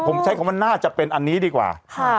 ผมใช้คำว่าน่าจะเป็นอันนี้ดีกว่า